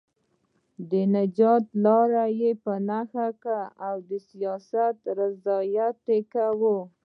د نجات لارې یې په نښه کړې او سیاسي ریاضت یې کاوه.